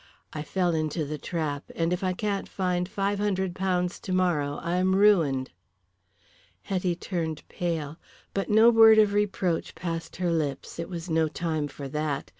I fell into the trap, and if I can't find £500 tomorrow I am ruined." Hetty turned pale. But no word of reproach passed her lips. It was no time for that.